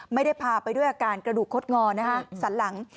ไม่ได้พาไปด้วยอาการกระดูกคดงอนะคะสันหลัง